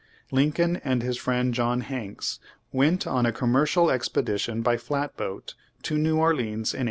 Lincoln and his friend John Hanks went on a commercial expedition by flat boat to New Or leans in 1836.